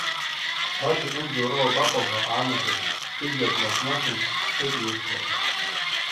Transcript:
Баӡ иҟынӡа уара уабаҟоу ҳәа аанаго, сыжәҩа днас-насын, дцеит иусқәа рахь.